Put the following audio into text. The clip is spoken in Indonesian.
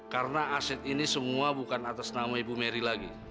karena aset ini semua bukan atas nama ibu mary lagi